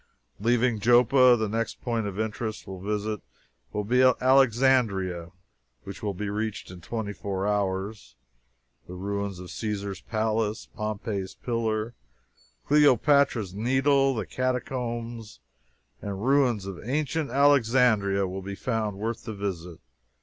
Leaving Joppa, the next point of interest to visit will be Alexandria, which will be reached in twenty four hours. The ruins of Caesar's Palace, Pompey's Pillar, Cleopatra's Needle, the Catacombs, and ruins of ancient Alexandria will be found worth the visit.